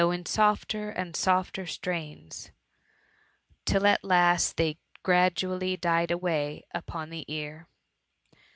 in softer and softer strains, till at last they gra dually died away upon the ear.